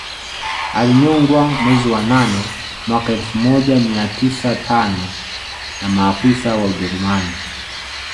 Alinyongwa mwezi wa nane mwaka elfu moja mia tisa tano na maafisa wa Ujerumani